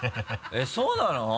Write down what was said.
えっそうなの？